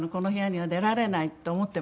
はい。